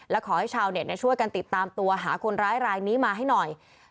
และขอให้ชาวเน็ตช่วยกันติดตามตัวหาคนร้ายรายนี้มาให้หน่อย